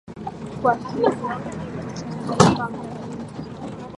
kwa hiyo ni nikiangalia mambo yalivyo